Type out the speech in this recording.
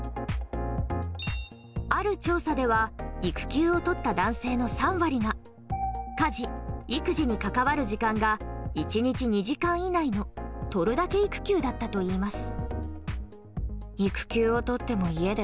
ある調査では育休を取った男性の３割が家事・育児に関わる時間が１日２時間以内のとるだけ育休だったといいます。